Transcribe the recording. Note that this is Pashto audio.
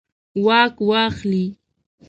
واک واخلي.